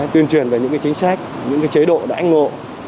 tuyên truyền về những cái chính sách những cái chế độ đãi ngộ